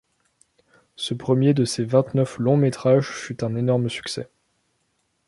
Ce premier de ses vingt-neuf longs métrages fut un énorme succès.